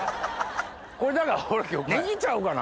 これだからネギちゃうかな？